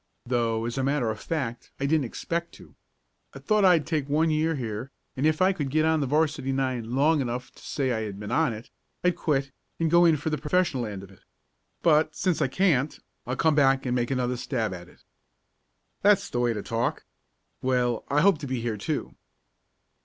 Though, as a matter of fact, I didn't expect to. I thought I'd take one year here, and if I could get on the 'varsity nine long enough to say I had been on it, I'd quit, and go in for the professional end of it. But, since I can't, I'll come back and make another stab at it." "That's the way to talk. Well, I hope to be here, too."